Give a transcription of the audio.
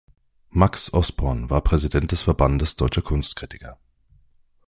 Max Osborn war Präsident des Verbandes deutscher Kunstkritiker.